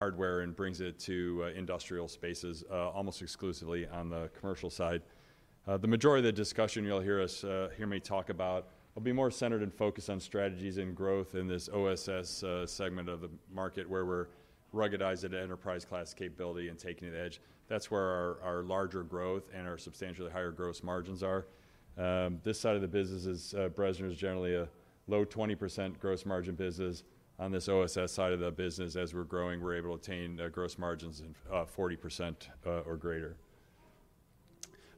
Hardware and brings it to industrial spaces, almost exclusively on the commercial side. The majority of the discussion you'll hear us, hear me talk about, will be more centered and focused on strategies and growth in this OSS segment of the market where we're ruggedizing the enterprise-class capability and taking it to the edge. That's where our larger growth and our substantially higher gross margins are. This side of the business is, Bressner's generally a low 20% gross margin business. On this OSS side of the business, as we're growing, we're able to attain gross margins of 40% or greater.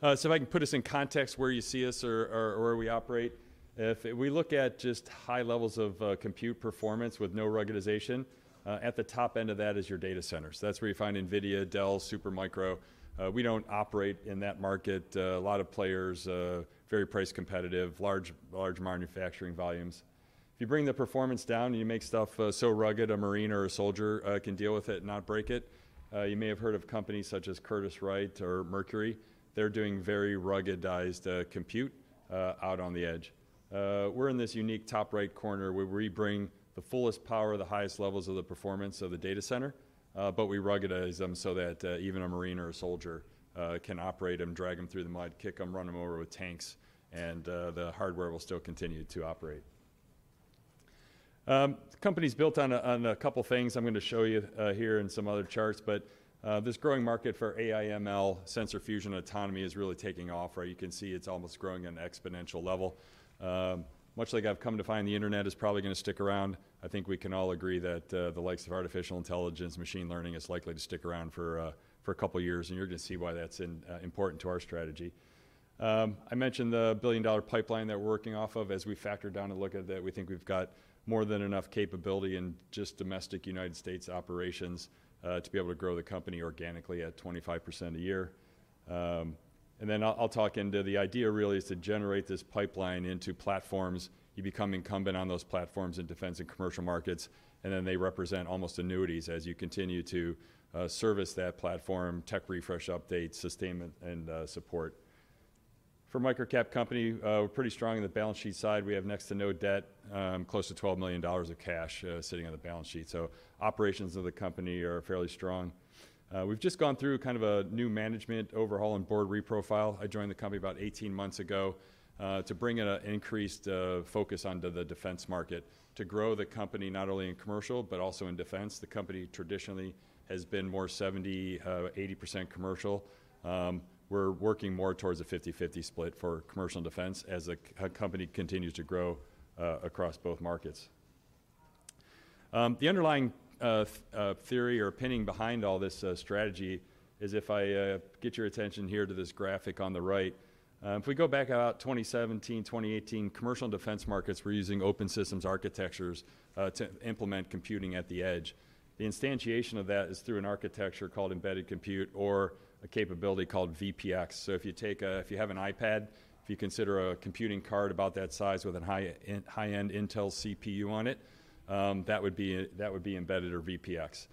So if I can put us in context where you see us or where we operate, if we look at just high levels of compute performance with no ruggedization, at the top end of that is your data centers. That's where you find NVIDIA, Dell, Supermicro. We don't operate in that market. A lot of players, very price competitive, large manufacturing volumes. If you bring the performance down and you make stuff so rugged a Marine or a soldier can deal with it and not break it, you may have heard of companies such as Curtiss-Wright or Mercury. They're doing very ruggedized compute out on the edge. We're in this unique top-right corner where we bring the fullest power, the highest levels of the performance of the data center, but we ruggedize them so that even a Marine or a soldier can operate them, drag them through the mud, kick them, run them over with tanks, and the hardware will still continue to operate. The company's built on a couple of things I'm going to show you here and some other charts, but this growing market for AI/ML, sensor fusion, and autonomy is really taking off, right? You can see it's almost growing on an exponential level. Much like I've come to find, the internet is probably going to stick around. I think we can all agree that the likes of artificial intelligence, machine learning is likely to stick around for a couple of years, and you're going to see why that's important to our strategy. I mentioned the billion-dollar pipeline that we're working off of. As we factor down and look at that, we think we've got more than enough capability in just domestic United States operations to be able to grow the company organically at 25% a year. And then I'll talk into the idea really is to generate this pipeline into platforms. You become incumbent on those platforms in defense and commercial markets, and then they represent almost annuities as you continue to service that platform, tech refresh updates, sustainment, and support. For microcap company, we're pretty strong on the balance sheet side. We have next to no debt, close to $12 million of cash sitting on the balance sheet. So operations of the company are fairly strong. We've just gone through kind of a new management overhaul and board reprofile. I joined the company about 18 months ago to bring an increased focus onto the defense market, to grow the company not only in commercial but also in defense. The company traditionally has been more 70%-80% commercial. We're working more towards a 50/50 split for commercial and defense as the company continues to grow across both markets. The underlying theory or opinion behind all this strategy is, if I get your attention here to this graphic on the right, if we go back about 2017, 2018, commercial and defense markets were using open systems architectures to implement computing at the edge. The instantiation of that is through an architecture called embedded compute or a capability called VPX, so if you take—if you have an iPad, if you consider a computing card about that size with a high-end Intel CPU on it, that would be embedded or VPX.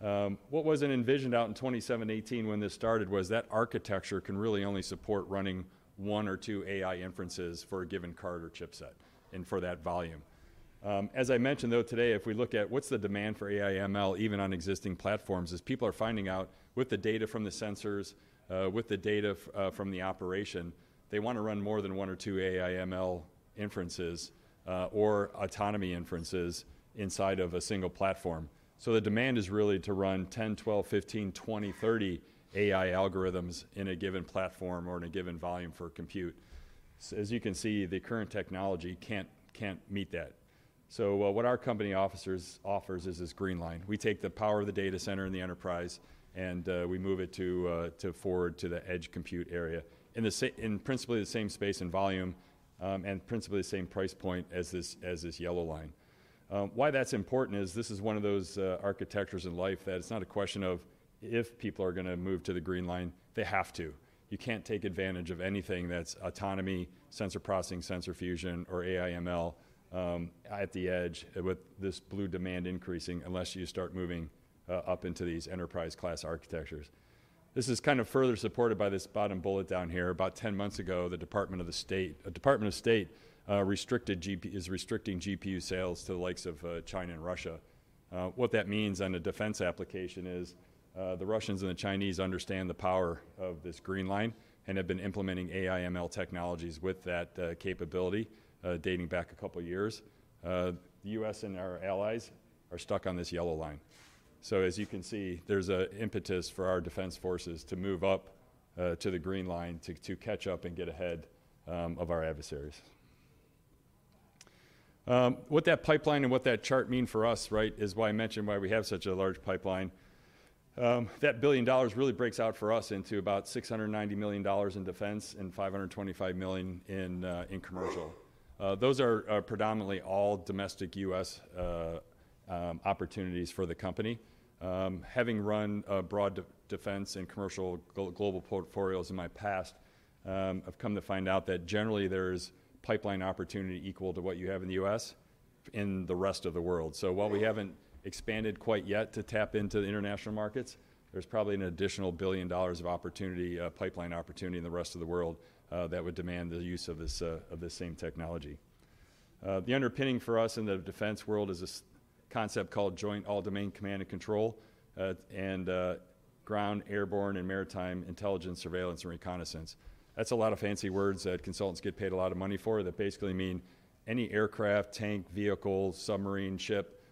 What wasn't envisioned out in 2017, 2018 when this started was that architecture can really only support running one or two AI inferences for a given card or chipset and for that volume. As I mentioned, though, today, if we look at what's the demand for AI/ML even on existing platforms, as people are finding out with the data from the sensors, with the data from the operation, they want to run more than one or two AI/ML inferences or autonomy inferences inside of a single platform. So the demand is really to run 10, 12, 15, 20, 30 AI algorithms in a given platform or in a given volume for compute. As you can see, the current technology can't meet that. So what our company offers is this green line. We take the power of the data center and the enterprise, and we move it forward to the edge compute area in principally the same space and volume and principally the same price point as this yellow line. Why that's important is this is one of those architectures in life that it's not a question of if people are going to move to the green line, they have to. You can't take advantage of anything that's autonomy, sensor processing, sensor fusion, or AI/ML at the edge with this blue demand increasing unless you start moving up into these enterprise-class architectures. This is kind of further supported by this bottom bullet down here. About 10 months ago, the Department of State is restricting GPU sales to the likes of China and Russia. What that means on a defense application is the Russians and the Chinese understand the power of this green line and have been implementing AI/ML technologies with that capability dating back a couple of years. The U.S. and our allies are stuck on this yellow line. As you can see, there's an impetus for our defense forces to move up to the green line to catch up and get ahead of our adversaries. What that pipeline and what that chart mean for us, right, is why I mentioned why we have such a large pipeline. That billion dollars really breaks out for us into about $690 million in defense and $525 million in commercial. Those are predominantly all domestic U.S. opportunities for the company. Having run broad defense and commercial global portfolios in my past, I've come to find out that generally there is pipeline opportunity equal to what you have in the U.S. in the rest of the world. So while we haven't expanded quite yet to tap into the international markets, there's probably an additional $1 billion of opportunity, pipeline opportunity in the rest of the world that would demand the use of this same technology. The underpinning for us in the defense world is a concept called Joint All-Domain Command and Control and Ground, Airborne, and Maritime Intelligence Surveillance and Reconnaissance. That's a lot of fancy words that consultants get paid a lot of money for that basically mean any aircraft, tank, vehicle, submarine, ship,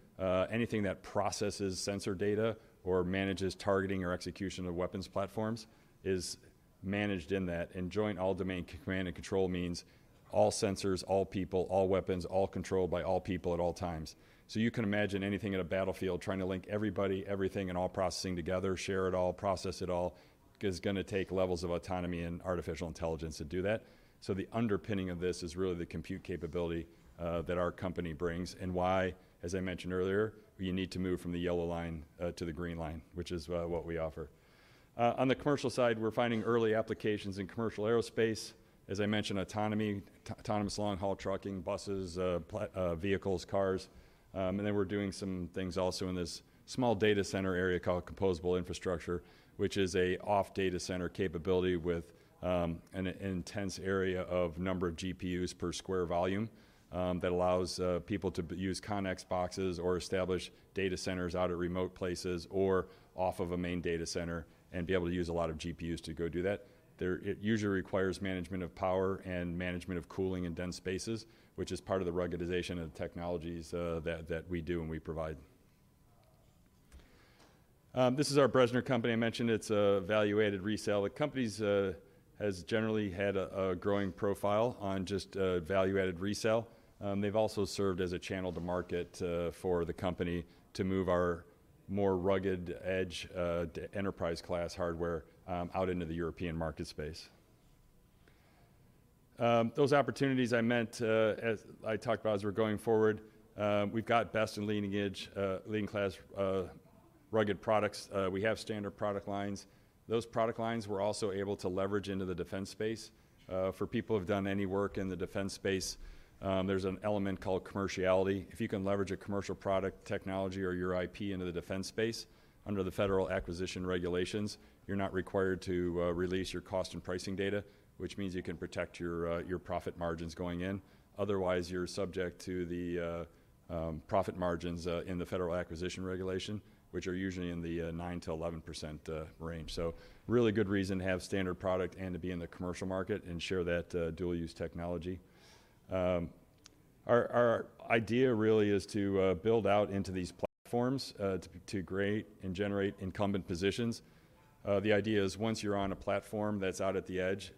anything that processes sensor data or manages targeting or execution of weapons platforms is managed in that. And Joint All-Domain Command and Control means all sensors, all people, all weapons, all controlled by all people at all times. So you can imagine anything in a battlefield trying to link everybody, everything, and all processing together, share it all, process it all, is going to take levels of autonomy and artificial intelligence to do that. So the underpinning of this is really the compute capability that our company brings and why, as I mentioned earlier, you need to move from the yellow line to the green line, which is what we offer. On the commercial side, we're finding early applications in commercial aerospace. As I mentioned, autonomy, autonomous long-haul trucking, buses, vehicles, cars. And then we're doing some things also in this small data center area called composable infrastructure, which is an off-data center capability with an intense area of number of GPUs per square volume that allows people to use CONEX boxes or establish data centers out at remote places or off of a main data center and be able to use a lot of GPUs to go do that. It usually requires management of power and management of cooling and dense spaces, which is part of the ruggedization of the technologies that we do and we provide. This is our Bressner company. I mentioned it's a value-added reseller. The company has generally had a growing profile on just value-added reselling. They've also served as a channel to market for the company to move our more rugged edge enterprise-class hardware out into the European market space. Those opportunities I talked about as we're going forward, we've got best and leading-edge, leading-class rugged products. We have standard product lines. Those product lines we're also able to leverage into the defense space. For people who have done any work in the defense space, there's an element called commerciality. If you can leverage a commercial product technology or your IP into the defense space under the Federal Acquisition Regulation, you're not required to release your cost and pricing data, which means you can protect your profit margins going in. Otherwise, you're subject to the profit margins in the Federal Acquisition Regulation, which are usually in the 9%-11% range. So really good reason to have standard product and to be in the commercial market and share that dual-use technology. Our idea really is to build out into these platforms to create and generate incumbent positions. The idea is once you're on a platform that's out at the edge,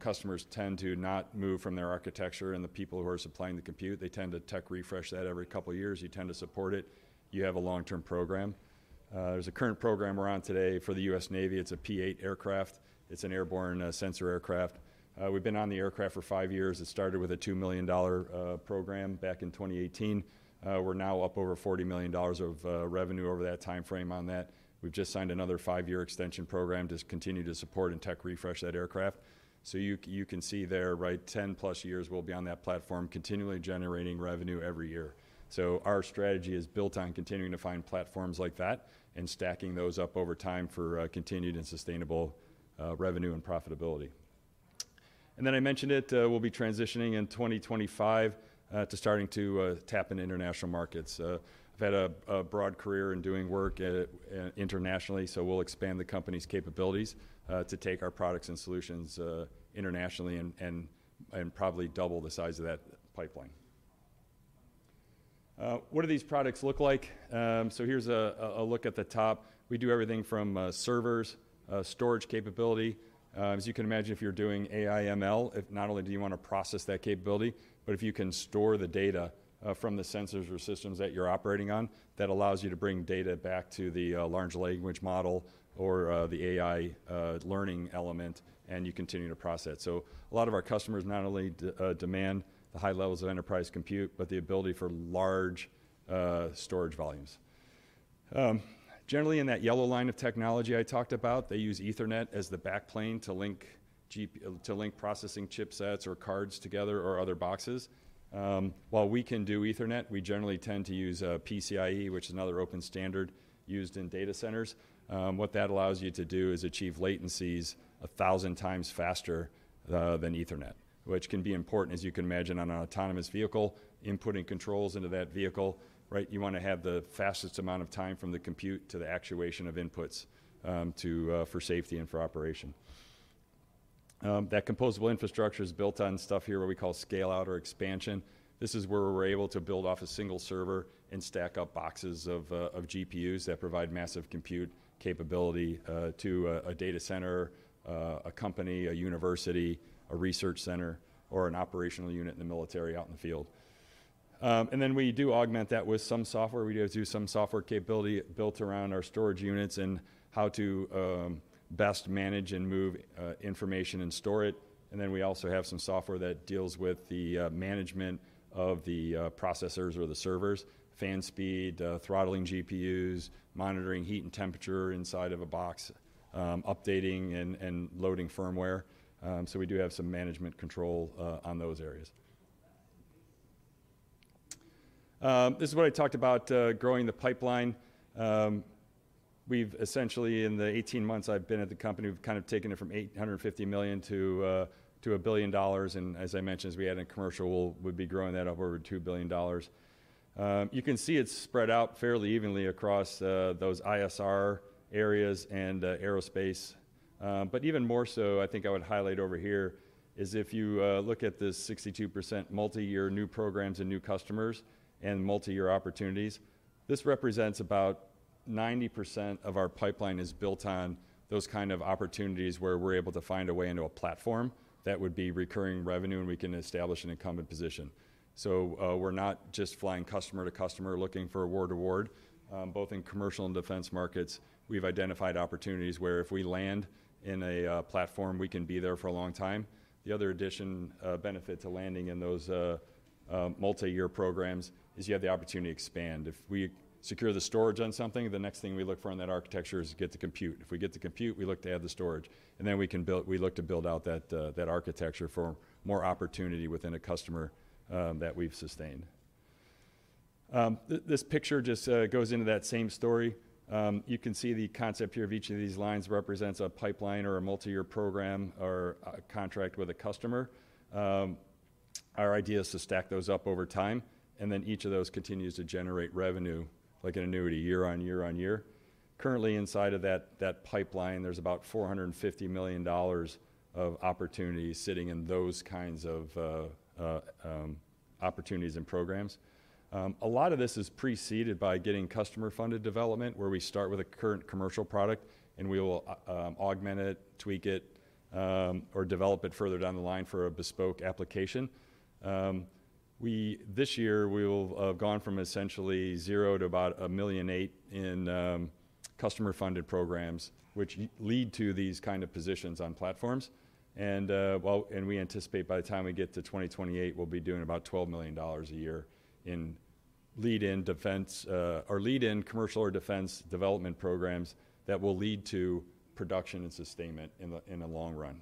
customers tend to not move from their architecture and the people who are supplying the compute. They tend to tech refresh that every couple of years. You tend to support it. You have a long-term program. There's a current program we're on today for the US Navy. It's a P-8 aircraft. It's an airborne sensor aircraft. We've been on the aircraft for five years. It started with a $2 million program back in 2018. We're now up over $40 million of revenue over that timeframe on that. We've just signed another five-year extension program to continue to support and tech refresh that aircraft. So you can see there, right, 10-plus years we'll be on that platform continually generating revenue every year. So our strategy is built on continuing to find platforms like that and stacking those up over time for continued and sustainable revenue and profitability. And then I mentioned it, we'll be transitioning in 2025 to starting to tap into international markets. I've had a broad career in doing work internationally, so we'll expand the company's capabilities to take our products and solutions internationally and probably double the size of that pipeline. What do these products look like? So here's a look at the top. We do everything from servers, storage capability. As you can imagine, if you're doing AI/ML, not only do you want to process that capability, but if you can store the data from the sensors or systems that you're operating on, that allows you to bring data back to the large language model or the AI learning element and you continue to process. A lot of our customers not only demand the high levels of enterprise compute, but the ability for large storage volumes. Generally, in that yellow line of technology I talked about, they use Ethernet as the backplane to link processing chipsets or cards together or other boxes. While we can do Ethernet, we generally tend to use PCIe, which is another open standard used in data centers. What that allows you to do is achieve latencies 1,000 times faster than Ethernet, which can be important, as you can imagine, on an autonomous vehicle, inputting controls into that vehicle, right? You want to have the fastest amount of time from the compute to the actuation of inputs for safety and for operation. That composable infrastructure is built on stuff here, what we call scale-out or expansion. This is where we're able to build off a single server and stack up boxes of GPUs that provide massive compute capability to a data center, a company, a university, a research center, or an operational unit in the military out in the field, and then we do augment that with some software. We do have to do some software capability built around our storage units and how to best manage and move information and store it, and then we also have some software that deals with the management of the processors or the servers, fan speed, throttling GPUs, monitoring heat and temperature inside of a box, updating and loading firmware, so we do have some management control on those areas. This is what I talked about growing the pipeline. We've essentially, in the 18 months I've been at the company, we've kind of taken it from $850 million to $1 billion. And as I mentioned, as we add in commercial, we'll be growing that up over $2 billion. You can see it's spread out fairly evenly across those ISR areas and aerospace. But even more so, I think I would highlight over here is if you look at this 62% multi-year new programs and new customers and multi-year opportunities, this represents about 90% of our pipeline is built on those kind of opportunities where we're able to find a way into a platform that would be recurring revenue and we can establish an incumbent position. So we're not just flying customer to customer looking for award to award. Both in commercial and defense markets, we've identified opportunities where if we land in a platform, we can be there for a long time. The other additional benefit to landing in those multi-year programs is you have the opportunity to expand. If we secure the storage on something, the next thing we look for in that architecture is to get to compute. If we get to compute, we look to add the storage. And then we look to build out that architecture for more opportunity within a customer that we've sustained. This picture just goes into that same story. You can see the concept here of each of these lines represents a pipeline or a multi-year program or contract with a customer. Our idea is to stack those up over time, and then each of those continues to generate revenue like an annuity year on year on year. Currently, inside of that pipeline, there's about $450 million of opportunity sitting in those kinds of opportunities and programs. A lot of this is preceded by getting customer-funded development where we start with a current commercial product and we will augment it, tweak it, or develop it further down the line for a bespoke application. This year, we will have gone from essentially zero to about $1.8 million in customer-funded programs, which lead to these kind of positions on platforms, and we anticipate by the time we get to 2028, we'll be doing about $12 million a year in lead-in defense or lead-in commercial or defense development programs that will lead to production and sustainment in the long run.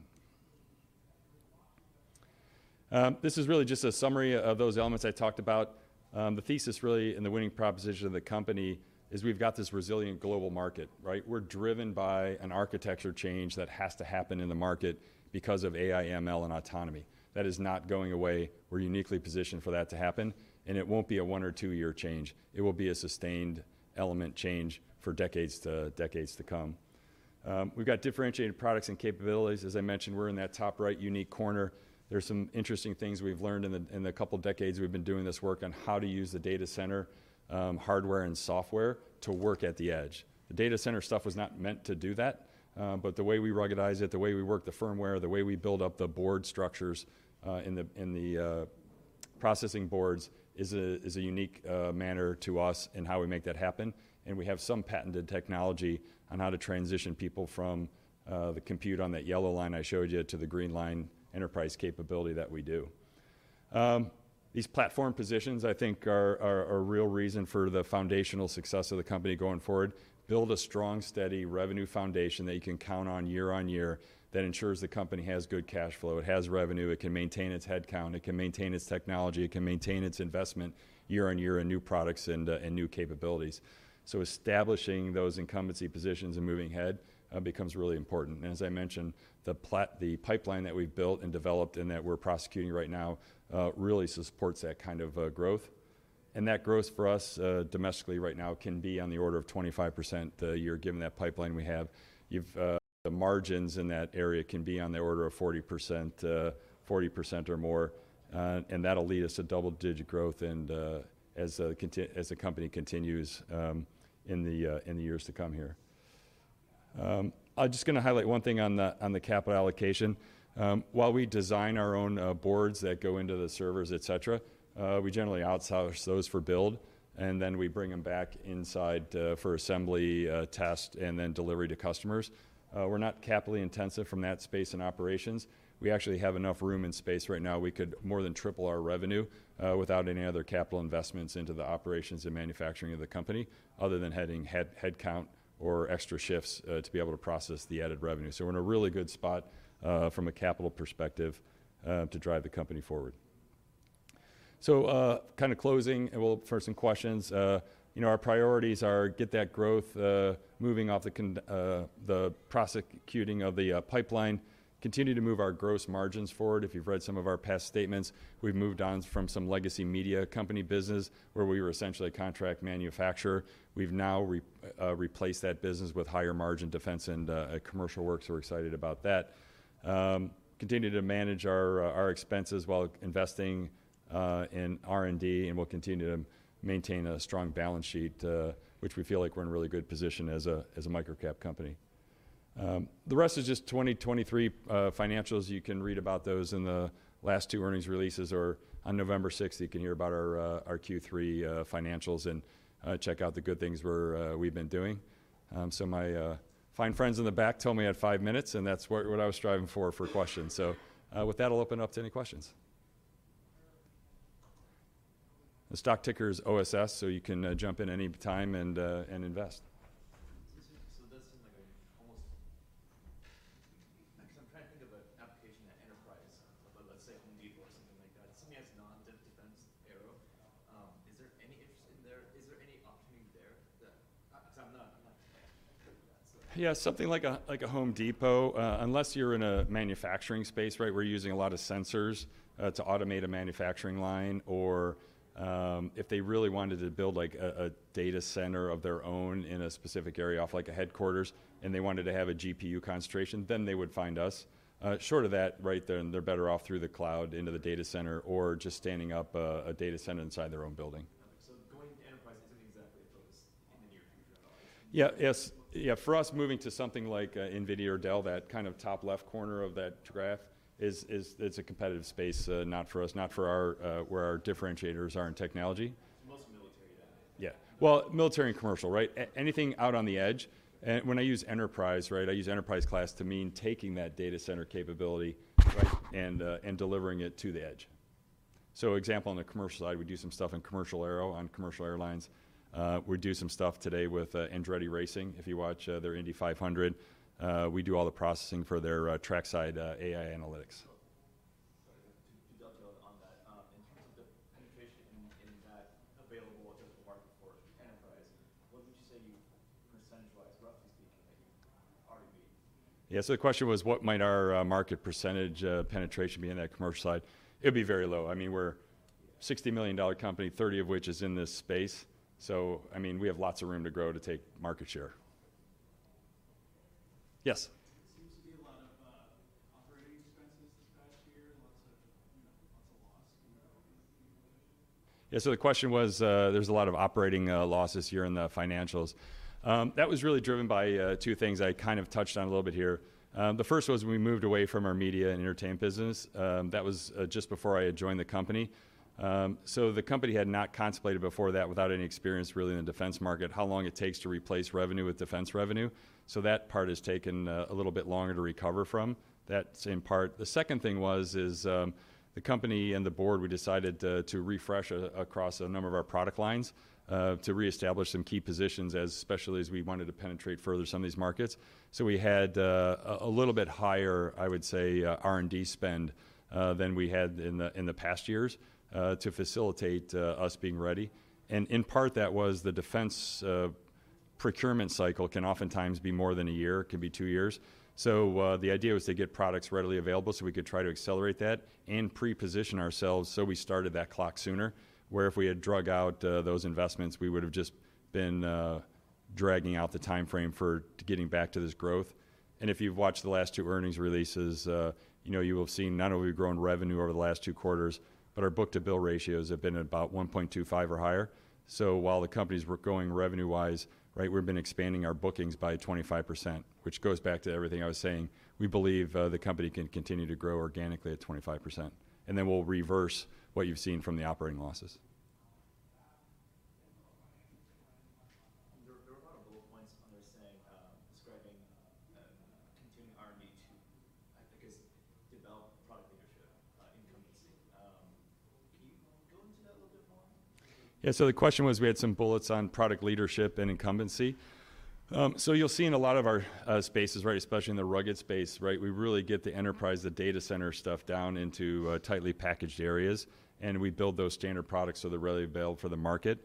This is really just a summary of those elements I talked about. The thesis really in the winning proposition of the company is we've got this resilient global market, right? We're driven by an architecture change that has to happen in the market because of AI/ML and autonomy. That is not going away. We're uniquely positioned for that to happen. And it won't be a one or two-year change. It will be a sustained element change for decades to decades to come. We've got differentiated products and capabilities. As I mentioned, we're in that top right unique corner. There's some interesting things we've learned in the couple of decades we've been doing this work on how to use the data center hardware and software to work at the edge. The data center stuff was not meant to do that. But the way we ruggedize it, the way we work the firmware, the way we build up the board structures in the processing boards is a unique manner to us in how we make that happen. We have some patented technology on how to transition people from the compute on that yellow line I showed you to the green line enterprise capability that we do. These platform positions, I think, are a real reason for the foundational success of the company going forward. Build a strong, steady revenue foundation that you can count on year on year that ensures the company has good cash flow. It has revenue. It can maintain its headcount. It can maintain its technology. It can maintain its investment year on year in new products and new capabilities. Establishing those incumbency positions and moving ahead becomes really important. As I mentioned, the pipeline that we've built and developed and that we're prosecuting right now really supports that kind of growth. That growth for us domestically right now can be on the order of 25% a year given that pipeline we have. The margins in that area can be on the order of 40% or more. That'll lead us to double-digit growth as the company continues in the years to come here. I'm just going to highlight one thing on the capital allocation. While we design our own boards that go into the servers, etc., we generally outsource those for build, and then we bring them back inside for assembly, test, and then delivery to customers. We're not capital intensive from that space and operations. We actually have enough room and space right now. We could more than triple our revenue without any other capital investments into the operations and manufacturing of the company other than adding headcount or extra shifts to be able to process the added revenue. We're in a really good spot from a capital perspective to drive the company forward. So kind of closing, we'll turn to some questions. Our priorities are to get that growth moving by prosecuting the pipeline, continue to move our gross margins forward. If you've read some of our past statements, we've moved on from some legacy media company business where we were essentially a contract manufacturer. We've now replaced that business with higher margin defense and commercial work, so we're excited about that. Continue to manage our expenses while investing in R&D, and we'll continue to maintain a strong balance sheet, which we feel like we're in a really good position as a microcap company. The rest is just 2023 financials. You can read about those in the last two earnings releases, or on November 6th you can hear about our Q3 financials and check out the good things we've been doing. My fine friends in the back told me I had five minutes, and that's what I was striving for for questions. With that, I'll open it up to any questions. The stock ticker is OSS, so you can jump in any time and invest. That seems like a long shot because I'm trying to think of an application in enterprise, let's say Home Depot or something like that. Something that's non-defense area. Is there any interest in there? Is there any opportunity there? Because I'm not familiar with that. Yeah, something like a Home Depot, unless you're in a manufacturing space, right? We're using a lot of sensors to automate a manufacturing line. Or if they really wanted to build a data center of their own in a specific area off like a headquarters and they wanted to have a GPU concentration, then they would find us. Short of that, right, then they're better off through the cloud into the data center or just standing up a data center inside their own building. So going to enterprise, it's going to be exactly a focus in the near future at all. Yeah, yes. Yeah, for us, moving to something like NVIDIA or Dell, that kind of top left corner of that graph, it's a competitive space, not for us, not for our where our differentiators are in technology. Most military that. Yeah. Well, military and commercial, right? Anything out on the edge. When I use enterprise, right, I use enterprise class to mean taking that data center capability, right, and delivering it to the edge. Example on the commercial side, we do some stuff in commercial aero on commercial airlines. We do some stuff today with Andretti Racing. If you watch their Indy 500, we do all the processing for their trackside AI analytics. To dovetail on that, in terms of the penetration in that available to the market for enterprise, what would you say percentage-wise, roughly speaking, that you've already made? Yeah, the question was, what might our market percentage penetration be in that commercial side? It'd be very low. I mean, we're a $60 million company, 30 of which is in this space. I mean, we have lots of room to grow to take market share. Yes. Seems to be a lot of operating expenses this past year, lots of loss in the operations. Yeah, so the question was, there's a lot of operating losses here in the financials. That was really driven by two things I kind of touched on a little bit here. The first was we moved away from our media and entertainment business. That was just before I had joined the company. So the company had not contemplated before that without any experience really in the defense market, how long it takes to replace revenue with defense revenue. So that part has taken a little bit longer to recover from. That same part. The second thing was, the company and the board, we decided to refresh across a number of our product lines to reestablish some key positions as especially as we wanted to penetrate further some of these markets. So we had a little bit higher, I would say, R&D spend than we had in the past years to facilitate us being ready. And in part, that was the defense procurement cycle can oftentimes be more than a year. It can be two years. So the idea was to get products readily available so we could try to accelerate that and pre-position ourselves. So we started that clock sooner where if we had drug out those investments, we would have just been dragging out the timeframe for getting back to this growth. And if you've watched the last two earnings releases, you will have seen not only have we grown revenue over the last two quarters, but our book-to-bill ratios have been about 1.25 or higher. So while the company's going revenue-wise, right, we've been expanding our bookings by 25%, which goes back to everything I was saying. We believe the company can continue to grow organically at 25%, and then we'll reverse what you've seen from the operating losses. There are a lot of bullet points on there saying, describing continuing R&D to, I guess, develop product leadership incumbency. Can you go into that a little bit more? Yeah, so the question was, we had some bullets on product leadership and incumbency, so you'll see in a lot of our spaces, right, especially in the rugged space, right, we really get the enterprise, the data center stuff down into tightly packaged areas, and we build those standard products so they're readily available for the market.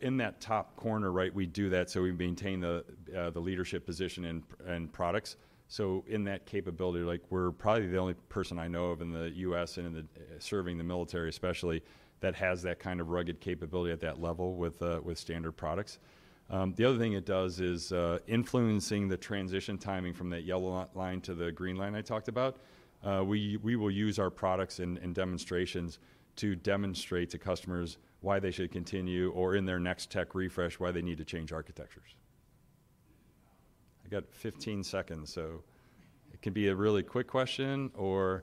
In that top corner, right, we do that so we maintain the leadership position in products. So in that capability, like we're probably the only person I know of in the U.S. and serving the military especially that has that kind of rugged capability at that level with standard products. The other thing it does is influencing the transition timing from that yellow line to the green line I talked about. We will use our products and demonstrations to demonstrate to customers why they should continue or in their next tech refresh why they need to change architectures. I got 15 seconds, so it can be a really quick question or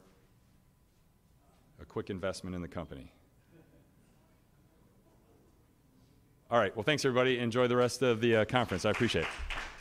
a quick investment in the company. All right. Well, thanks everybody. Enjoy the rest of the conference. I appreciate it.